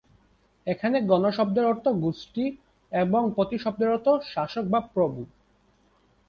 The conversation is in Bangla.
এখানে ‘গণ’ শব্দের অর্থ গোষ্ঠী এবং ‘পতি’ শব্দের অর্থ শাসক বা প্রভু।